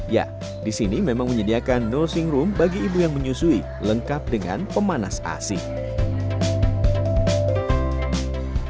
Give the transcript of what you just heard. ya disini memang menyediakan nursing room bagi ibu yang menyusui lengkap dengan pemanas asing